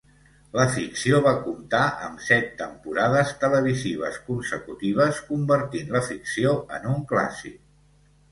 La ficció va comptar amb set temporades televisives consecutives, convertint la ficció en un clàssic.